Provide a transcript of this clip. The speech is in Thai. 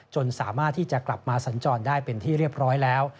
สามารถที่จะกลับมาสัญจรได้เป็นที่เรียบร้อยแล้ว